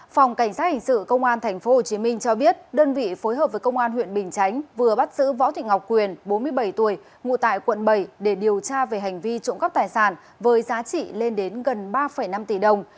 phòng cảnh sát hình sự công an tp hcm cho biết đơn vị phối hợp với công an huyện bình chánh vừa bắt giữ võ thị ngọc quyền bốn mươi bảy tuổi ngụ tại quận bảy để điều tra về hành vi trộm cắp tài sản với giá trị lên đến gần ba năm tỷ đồng